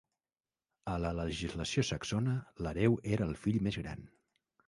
A la legislació saxona, l'hereu era el fill més gran.